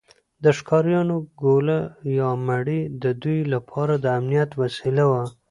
د ښکاریانو ګوله یا مړۍ د دوی لپاره د امنیت وسیله وه.